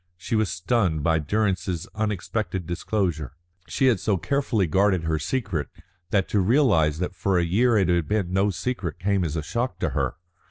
She was stunned by Durrance's unexpected disclosure. She had so carefully guarded her secret, that to realise that for a year it had been no secret came as a shock to her.